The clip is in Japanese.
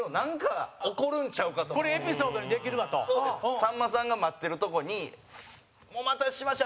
さんまさんが待ってるとこに「お待たせしました！